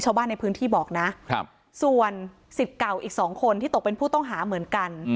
ส่วนสิทธิ์เก่าอีกสองคนที่ตกเป็นผู้ต้องหาเหมือนกัน